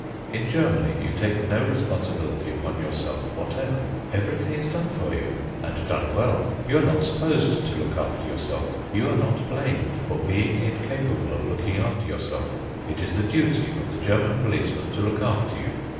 In Germany you take no responsibility upon yourself whatever. Everything is done for you, and done well. You are not supposed to look after yourself; you are not blamed for being incapable of looking after yourself; it is the duty of the German policeman to look after you.